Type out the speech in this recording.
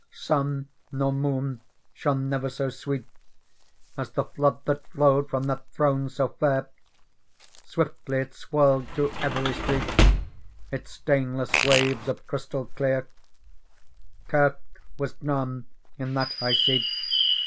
Sun nor moon shone never so sweet As the flood that flowed from that throne so fair ; Swiftly it swirled through every street Its stainless waves of crystal clear : Kirk was none in that high seat.